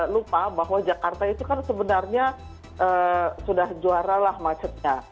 lupa bahwa jakarta itu kan sebenarnya sudah juara lah macetnya